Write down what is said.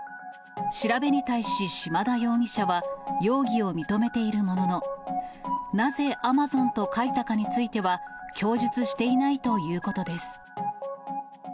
調べに対し、島田容疑者は容疑を認めているものの、なぜＡｍａｚｏｎと書いたかについては、供述していないということです。